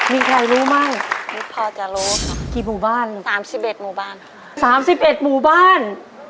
มีใครรู้มั้งพอจะรู้กี่หมู่บ้าน๓๑หมู่บ้าน๓๑หมู่บ้าน